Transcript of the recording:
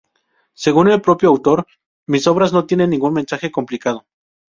Según el propio autor: "Mis obras no tienen ningún mensaje complicado.